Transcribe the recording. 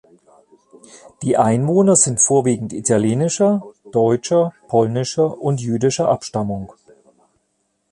Die Einwohner sind vorwiegend italienischer, deutscher, polnischer und jüdischer Abstammung.